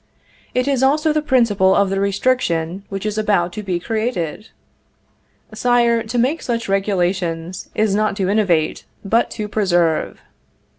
It is also the principle of the restriction which is about to be created. Sire, to make such regulations is not to innovate, but to preserve.